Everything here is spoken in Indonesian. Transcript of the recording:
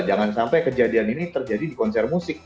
jangan sampai kejadian ini terjadi di konser musik